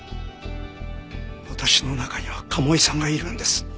私の中には賀茂井さんがいるんです。